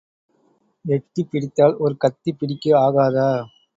எட்டிப் பிடித்தால் ஒரு கத்திப் பிடிக்கு ஆகாதா?